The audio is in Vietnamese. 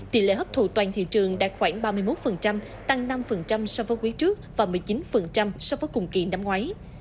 tỷ lệ hấp thụ toàn thị trường đạt khoảng ba mươi một tăng năm so với quý trước và một mươi chín so với cùng kỳ năm ngoái